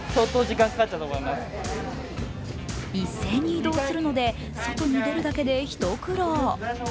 一斉に移動するので、外に出るだけで一苦労。